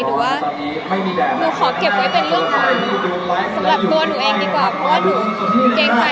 มันแบบถ้าหนูพูดอะไรผิดหรือพูดอะไรยังไง